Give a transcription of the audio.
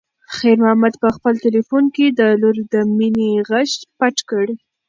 خیر محمد په خپل تلیفون کې د لور د مینې غږ پټ کړ.